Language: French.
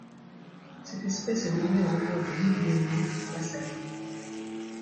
Cette espèce est nommée en l'honneur de Guglielmo Massaia.